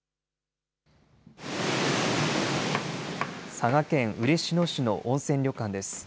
佐賀県嬉野市の温泉旅館です。